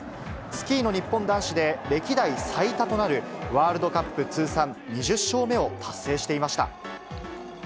スキーの日本男子で歴代最多となるワールドカップ通算２０勝目を達成していました。